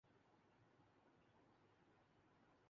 مسائل کا حل نظام میں تلاش کیجیے۔